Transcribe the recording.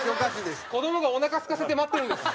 子供がおなかすかせて待ってるんです。